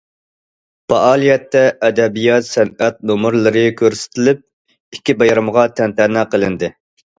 پائالىيەتتە ئەدەبىيات- سەنئەت نومۇرلىرى كۆرسىتىلىپ، ئىككى بايرامغا تەنتەنە قىلىندى.